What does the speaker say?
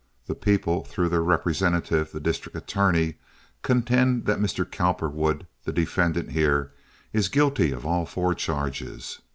The people, through their representative, the district attorney, contend that Mr. Cowperwood, the defendant here, is guilty of all four charges.